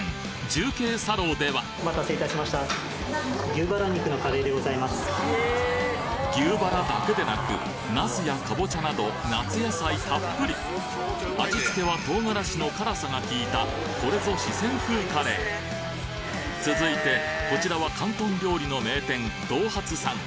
重慶茶では牛バラだけでなくナスやカボチャなど夏野菜たっぷり味付けは唐辛子の辛さが利いたこれぞ四川風カレー続いてこちらは広東料理の名店同發さん。